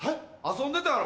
遊んでたやろ？